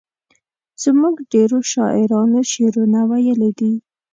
زموږ ډیرو شاعرانو شعرونه ویلي دي.